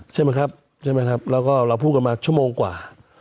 ใช่มั้ยแล้วก็แล้วพูดกันมาแค่ชั่วโมงกว่า